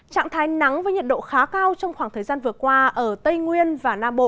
trạng thái nắng với nhiệt độ khá cao trong khoảng thời gian vừa qua ở tây nguyên và nam bộ